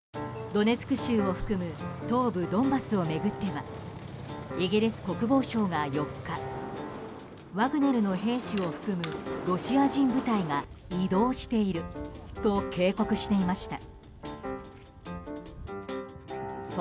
ドネツク州を含む東部ドンバスを巡ってはイギリス国防省が４日ワグネルの兵士を含むロシア人部隊が移動していると警告していました。